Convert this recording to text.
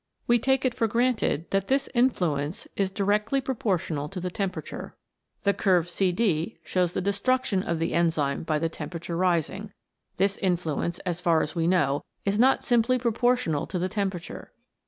We take it for granted that this influence is directly proportional to the temperature. The curve CD shows the destruction of the enzyme by the temperature rising. This influence as far as we know is not simply proportional to the temperature.